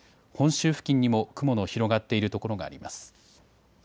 本州付近にも雲の広がっている所があります。